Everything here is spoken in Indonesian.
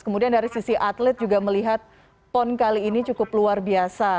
kemudian dari sisi atlet juga melihat pon kali ini cukup luar biasa